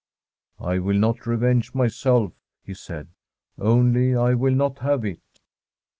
' I will not revenge myself,' he said, ' only I will not have it.'